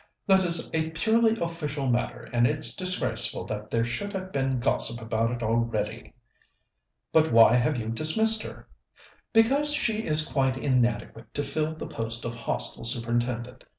"That is a purely official matter, and it's disgraceful that there should have been gossip about it already." "But why have you dismissed her?" "Because she is quite inadequate to fill the post of Hostel Superintendent.